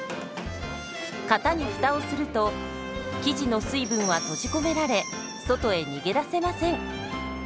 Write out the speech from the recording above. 型にフタをすると生地の水分は閉じ込められ外へ逃げ出せません。